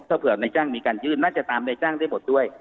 ถ้าเผื่อในจ้างมีการยื่นน่าจะตามในจ้างได้หมดด้วย